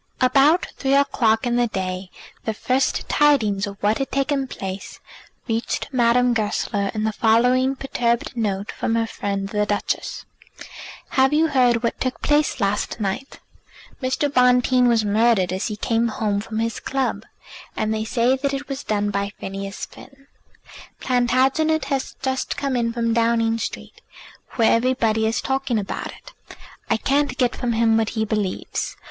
About three o'clock in the day the first tidings of what had taken place reached Madame Goesler in the following perturbed note from her friend the Duchess: "Have you heard what took place last night? Good God! Mr. Bonteen was murdered as he came home from his club, and they say that it was done by Phineas Finn. Plantagenet has just come in from Downing Street, where everybody is talking about it. I can't get from him what he believes.